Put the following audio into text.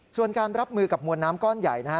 ส่วนการรับมือกับมวลน้ำก้อนใหญ่นะฮะ